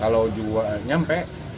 kalau jualnya sampai